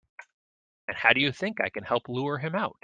And how do you think I can help lure him out?